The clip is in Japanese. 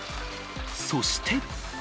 そして。